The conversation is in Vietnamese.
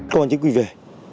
công an chính quyền về